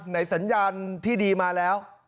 ในสัญญาณที่ดีมาแล้ว